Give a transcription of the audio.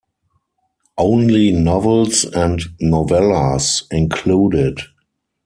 Only novels and novellas included.